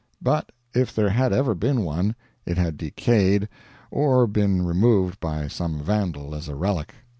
But if there had ever been one, it had decayed or been removed by some vandal as a relic.